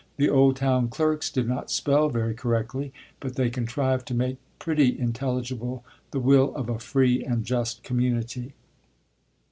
The old town clerks did not spell very correctly, but they contrived to make pretty intelligible the will of a free and just community."